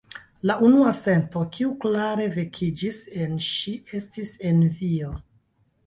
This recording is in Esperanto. La unua sento, kiu klare vekiĝis en ŝi, estis envio.